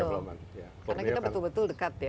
karena kita betul betul dekat ya